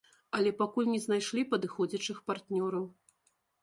Але пакуль не знайшлі падыходзячых партнёраў.